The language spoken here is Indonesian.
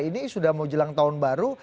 ini sudah mau jelang tahun baru